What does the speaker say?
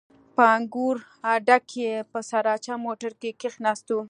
په انګور اډه کښې په سراچه موټر کښې کښېناستو.